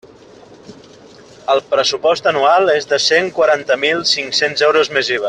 El pressupost anual és de cent quaranta mil cinc-cents euros més IVA.